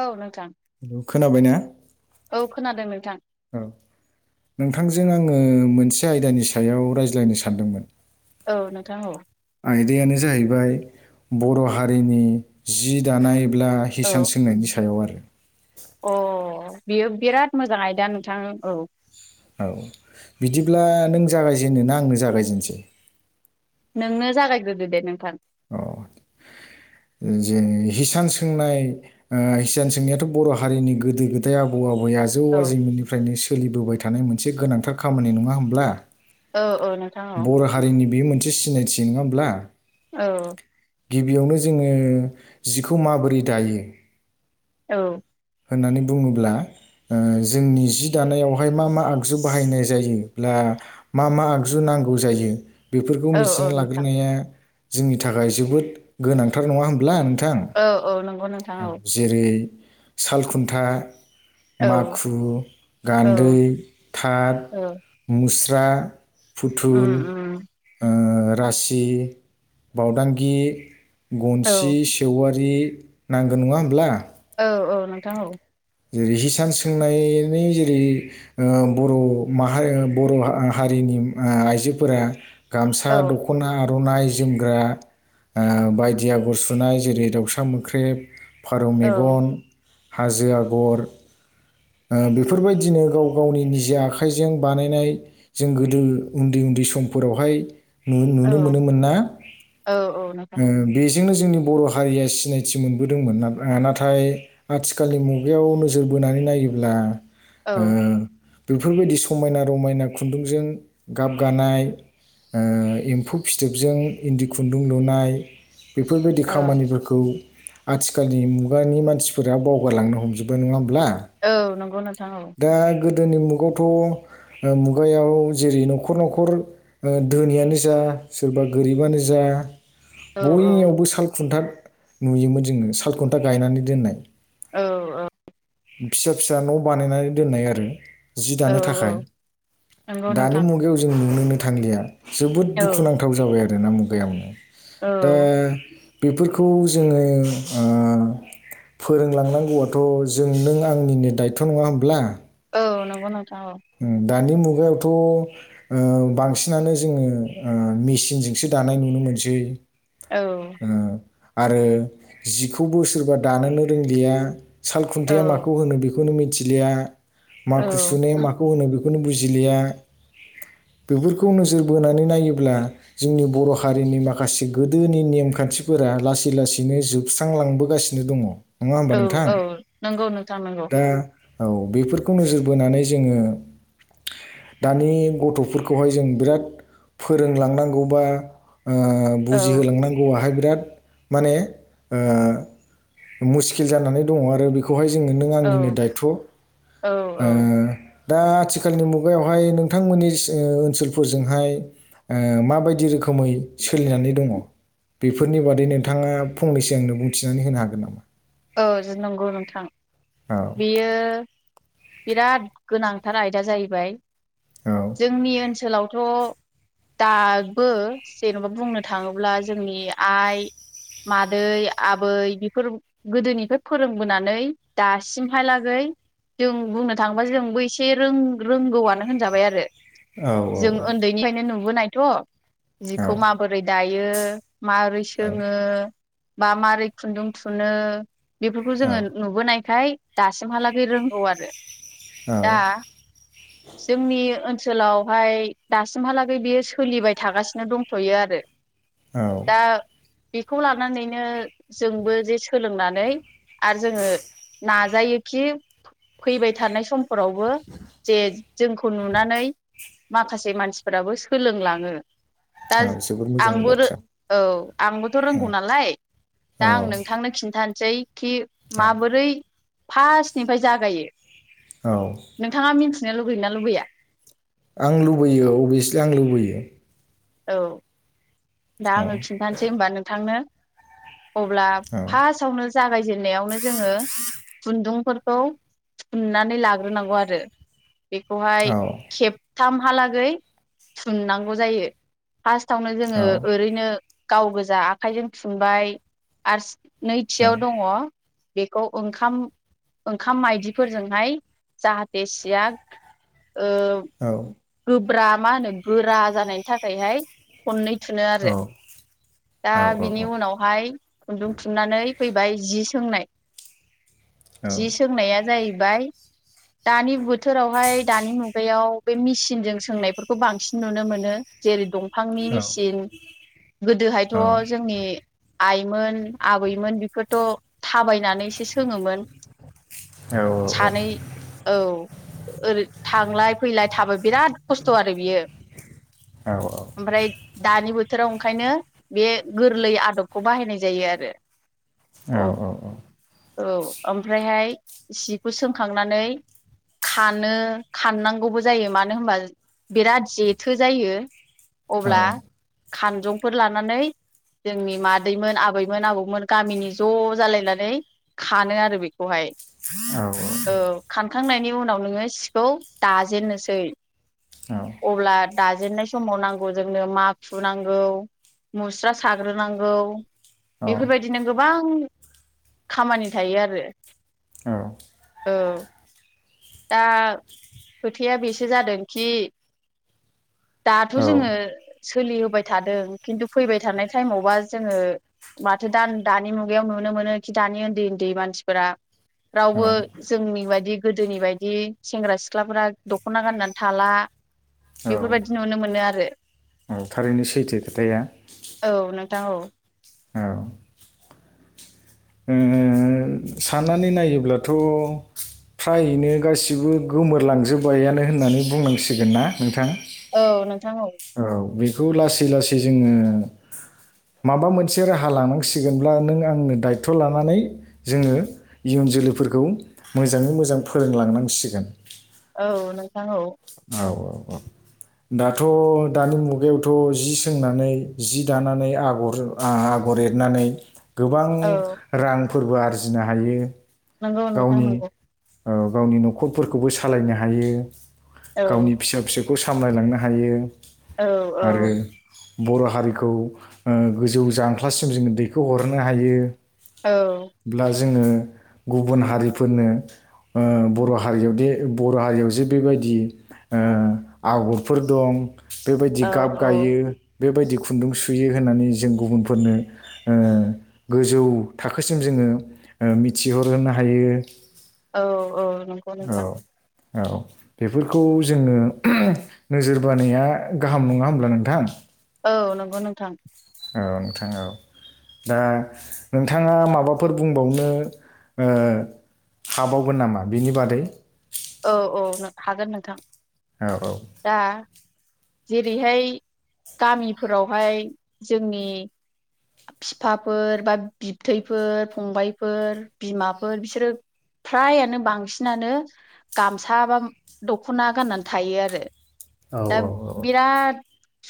औ नोंथां हेल' खोनाबायना औ खोनादों नोंथां? औ नोंथांजों आङो मोनसे आयदानि सायाव रायज्लायनो सानदोंमोन। औ नोंथां औ आदनो जाहैबाय बर' हारिनि जि दानाय अब्ला औ हिसान सोंनायनि सायाव आरो अ बियो बिराद मोजां आयदा नोंथां औ औ बिदिब्ला नों जागायजेनो ना आंनो जागायजेनसै नोंनो जागायग्रोदो दे नोंथां औ जे हिसान सोंनाय हिसान सोंनायाथ' बर' हारिनि गोदो गोदाय आबौ आबै आदै आजौ औ आजैमोननिफ्रायनो सोलिबोबाय थानाय मोनसे गोनांथार खामानि नङा होमब्ला औ औ नोंथां औ बर' हारिनि बे मोनसे सिनायथि नङा होमब्ला? औ गिबियावनो जोङो जिखौ माबोरै दायो? औ होननानै बुङोब्ला ओ जोंनि जि दानायावहाय मा मा आगजु बाहायनाय जायोब्ला मा मा आगजु न नांगौ जायो बेफोरखौ औ मिथिना औ नोंथां लाग्रोनाया जोंनि थाखाय जोबोद गोनांथार नङा होमब्ला नोंथां औ औ नंगौ नोंथां औ जेरै साल खुन्था औ माखु औ गान्दै थाथ औ मुस्रि गस्रा उम फुथुल उम रासि बावदांगि औ गनसि सेवारि रि नांगोन नङा होमब्ला औ औ नोंथां औ जेरै हिसान सोंनायनि जेरै बर' माहारि बर' हारि नि आइजोफोरा गामसा औ दख'ना आर'नाय जोमग्रा बायदि आगर सुनाय जेरै दाउसा मोख्रेब फारौ औ मेगन हाजो आगर बेफोरबायदिनो गाव गावनि निजे आखाइजों बानायनाय जों गोदो उन्दै उन्दै समफोरावहाय औ नुनो मोनोमोन ना? औ औ नोंथां नो जोंनि बर' हारिया सिनायथि मोनबोदोंमोन नाथाय आथिखालनि मुगायाव नोजोर बो बोनानै नायोब्ला औ बेफोरबायदि समायना रमायना खुन्दुंजों गाबगानाय एम्फौ फिथोबजों इन्दि खुन्दुं लुनाय बेफोरबायदि औ खामानिफोरखौ आथिखालनि मुगानि मानसिफोरा बावगारलांनो हमजोबबाय नङा होमब्ला औ नंगौ नोंथां औ दा गोदोनि मुगावथ' मुगायाव जेरै न'खर न'खर धोनियानो जा सोरबा गोरिबानो जा औ बययावबो साल खुन्था नुयोमोन जोङो साल खुन्था गायनानै दोननाय औ औ फिसा फिसा न' बानायनानै दोननाय आरो जि औ दानो औ थाखाय नंगौ दानि नोंथां मुगायाव जों नुनोनो थांलिया जोबोद औ दुखुनांथाव जाबाय आरोना मुगायावनो औ दा बेफोरखौ जोङो फोरोंलांनांगौआथ' जों नों आंनिनो दायथ' नङा होमब्ला? औ नंगौ नोंथां औ उम, दानि मुगायावथ' बांसिनानो जोङो मेसिनजोंसो दानाय नुनो मोनो। [unintelligible] औ आरो जिखौ बो सोरबा दानोनो रोंलिया साल औ खुन्थाया माखौ होनो बेखौ बेखौनो मिथिलिया औ माखु सुनाया माखौ होनो बेखौनो बुजिलिया बेफोरखौ नोजोर बोनानै नायोब्ला जोंनि बर' हारिनि माखासे गोदोनि नेम खान्थिफोरा लासै लासैनो जोबस्रांलांबोगासिनो दङ। नङा होमबा औ नोंथां औ नंगौ नोंथां नंगौ। दा औ बेफोरखौ नोजोर बोनानै जोङो दानि गथ'फोरखौहाय जों बिराद फोरोंलांनांगौ बा ओ औ बुजिहोलांनांगौआहाय बिराद माने ओ मुस्किल जानानै दङ आरो बेखौहाय जोङो नों औ आंनिनो दायथ' ओ औ औ दा आथिखालनि मुगायावहाय नोंथांमोननि ओनसोलफोरजोंहाय ओ माबायदि रोखोमै सोलिनानै दङ? बेफोरनि बादै नोंथाङा फंनैसो आंनो बुंथिनानै होनो हागोन नामा? औ ज नंगौ नोंथां औ बियो बिराद गोनांथार आयदा जाहैबाय औ जोंनि ओनसोलावथ' दाबो जेन'बा बुंनो थाङोब्ला जोंनि आइ मादै आबै बेफोर गोदोनिफ्राय फोरोंबोनानै दासिमहालागै जों बुंनो थाङोबा जोंबो एसे रों-रोंगौआनो होनजाबाय आरो। औ जों उन्दैनिफ्रायनो नुबोनायथ' औ जिखौ माबोरै दायो माबोरै सोङो बा मारै खुन्दुं थुनो बेफोरखौ जोङो नुबोनायखाय दासिमहालागै रोंगौ आरो औ दा जोंनि ओन ओनसोलावहाय दासिमहालागै बेयो सोलिबाय थागासिनो दंथ'यो आरो। औ। दा बेखौ लानानैनो जोंबो जे सोलोंनानै आरो जोङो नाजायोखि फैबाय थानाय सम फोरावबो जे जोंखौ नुनानै माखासे मानसिफोराबो सोलोंलाङो। दा औ जोबोद मोजांनि आंबो बाथ्रा औ आंबोथ' औ रोंगौ नालाय। औ। सानसै खि औ माबोरै फार्स्टनिफ्राय जागायो। औ नोंथाङा मिन्थिनो लुबै ना लुबैया? आं लुबैयो अभियासलि आं लुबैयो। औ दा औ आङो खिन्थानोसै होनबा नोंथांनो। अब्ला औ फार्स्टआवनो जागायजेननायावनो जोङो खुन्दुं फोरखौ थुननानै लाग्रोनांगौ आरो बेखौहाय खेब थामहालागै थुननांगौ जायो फासृट आवनो जोङो औ ओरैनो गाव गोजा आखाइजों थुनबाय आरो नैथियाव दङ बेखौ ओंखाम ओंखाम मायदिफोरजोंहाय जाहाथे सिया ओ औ गोब्रा मा होनो गोरा जानायनि थाखाय हाय खननै थुनो आरो औ औ दा बिनि उनावहाय खुन्दुं थुननानै फैबाय जि सोंनाय जि सोंनाया जाहैबाय दानि बोथोरावहाय दानि मुगायाव बे मेसिनजों सोंनायफोरखौ बांसिन नुनो मोनो जेरै दंफांनि मेचिन गोदोहायथ' जोंनि आइमोन आबैमोन बेखौथ' थाबायनानैसो सोङोमोन। सानै औ ओरै था थांलाय फैलाय थाबाय बिराद खस्थ' आरो बियो ओमफ्राय दानि बोथोराव ओंखायनो बे गोरलै आदबखौ बाहायनाय जायो आरो। औ औ औ। औ ओमफ्रायहाय सिखौ सोंखांनानै खानो खाननांगौबो जायो मानो होनबा बिराद जेथो जायो। अब्ला खानजंफोर लानानै जोंनि मादैमोन, आबैमोन, आबौमोन गामिनि ज' जालायनानै खानो आरो बेखौहाय। [inaudible] औ औ। खांनायनि उनाव नोङो सिखौ दाजेननोसै। अब्ला दाजेनन्नाय समाव नांगौ जोंनो माखु नांगौ मुस्रा साग्रोनांगौ। बेफोरबायदिनो गोबां खामानि थायो आरो। [inaudible] दाह खोथाया बेसो जादोंखि दाथ' जोङो सोलिहोबाइ थादों खिन्थु फैबाय थानाय टाइमावबा जोङो माथो दान दानि मुगायाव नुनो मोनो खि दानि उन्दै उन्दै मानसिफोरा रावबो जोंनि बायदि गोदोनि बायदि सेंग्रा सिख्लाफोरा दख'ना गाननानै थाला। बेफोरबायदि नुनो मोनो आरो। उम थारैनो सैथो खोथाया। दाव औ ओ साननानै नायोब्लाथ' फ्राइयैनो गासिबो गोमोरलांजोबबायानो होननानै बुंनांसिगोन ना नोंथां? औ नोंथां औ। खौ लासै लासै जोङो माबा मोनसे राहा लानांसिगोनब्ला नों आंनो दायत थ' लानानै जोङो इयुन जोलैफोरखौ मोजाङै मोजां फोरोंलांनांसिगोन। औ नोंथां औ। औ औ औ। दाथ', दानि मुगायावथ' जि सोंनानै जि दानानै आगरजो आगर आगर एरनानै गोबां औ रांफोरबो आरजिनो हायो। नंगौ नोंथां गावनि नंगौ। औ गावनि न'खरफोरखौबो सालायनो हायो औ गावनि फिसा फिसौ खौ सामलायलांनो हायो। औ औ। आरो बर' हारिखौ ओ गोजौ जांख्लासिम जोङो दैखो हरनो हायो। औ। ब्ला जोङो गुबुन हारिफोरनो ओ बर' हारियावदि बर' हारियाव जि बिबाय दि ओ आगरफोर दं बेबायदि औ गाब औ गायो बेबायदि खुन्दुं सुयो होननानै जों गुबुनफोरनो ओ गोजौ थाखोसिम जों ओ ओ मिथिहर होनो हायो। औ औ नंगौ औ नोंथां। औ। बेफोरखौ जोंनो ओहोम नोजोर बानाया गाहाम नङा होमब्ला नोंथां? औ नंगौ नोंथां। औ नोंथां औ। दा नोंथाङा माबाफोर बुंबावनो ओ हाबावगोन नामा बिनि बादै? औ औ नों हागोन नोंथां। औ दा जेरैहाय गामिफोरावहाय जोंनि फिफाफोर बा बिबथैफोर, फंबायफोर, बिमाफोर बिसोरो फ्रायानो बांसिनानो गामसा बाब दख'ना गान्नानै थायो आरो। औ दा औ ओ। बिराद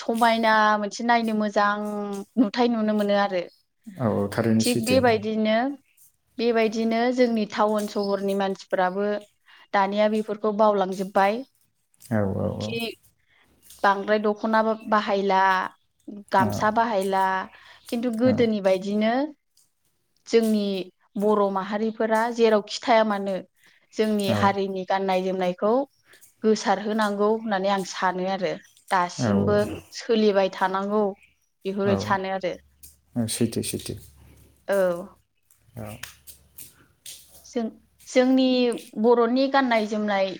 समाइना मोनसे नायनो मोजां नुथाय नुनो मोनो आरो औ औ । थारैनो थिग सैथो बेबायदिनो बेबायदिनो जोंनि टाउन सहरनि मानसिफोराबो दानिया बेफोरखौ बावलांजोब्बाय औ औ खि औ। बांद्राय दखना बाहायला औ गामसा बाहायला खिन्थु औ गोदोनि बायदिनो जोंनि बर' माहारिफोरा जेरावखिथाया मानो जोंनि हारिनि गाननाय जोमनायखौ गोसारहोनांगौ होननानै आं सानो आरो। रो औ दासिमबो सोलिबाय थानांगौ औ बेफोरबादि सानो आरो औ सैथो औ। औ। जों जोंनि बर'नि गाननाय जोमनाय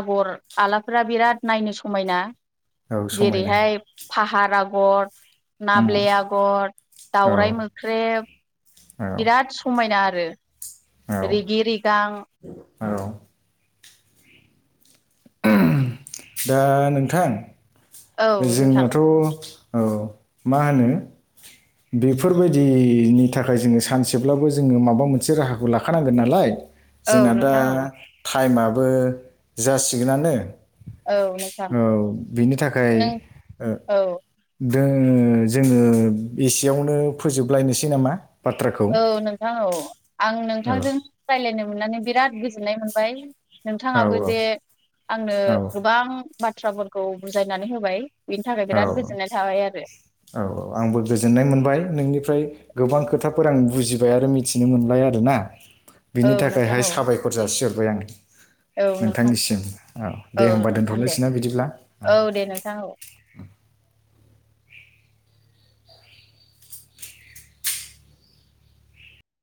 आगर आलाफोरा बिराद नायनो समायना औ समायना। जेरैहाय फाहार आगर उम नाब्ले आगर औ दावराइ मोख्रेब औ औ बिराद समायना आरो रेगि रिगां औ। दा नोंथां औ नोंथां जोंनाथ' औ मा होनो बेफोरबायदिनि थाखाय जोङो सानसेब्लाबो जोङो माबा मोनसे राहाखौ लाखानांगोन नालाय औ जोंना दा नोंथां औ टाइमाबो जासिगोनानो औ नोंथां औ बेनि थाखाय नों औ। दे जोङो एसेयावनो फोजोबलायलायनोसै नामा? बाथ्राखौ औ नोंथां औ आं औ नोंथांजों रायलायनो मोननानै बिराद गोजोननाय मोनबाय। औ नोंथाङाबो जे आंनो औ गोबां बाथ्राफोरखौ बुजायनानै होबाय। बेनि थाखाय औ बिराद गोजोननाय थाबाय आरो औ औ आंबो गोजोननाय मोनबाय नोंनिफ्राय गोबां खोथाफोर आं बुजिबाय आरो मिथिनो मोनबाय आरोना। औ बिनि नोंथां थाखायहाय औ साबायखर जासिहरबाय आं। औ नोंथां नोंथांनिसिम औ दे होमबा नोंथां दे दोन्थ'लायसै ना बिदिब्ला औ। दे नोंथां औ [inaudible]